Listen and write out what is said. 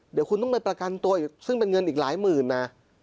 เดี๋ยวคุณต้องไปประกันตัวอีกซึ่งเป็นเงินอีกหลายหมื่นนะ